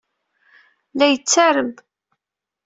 La yettarem.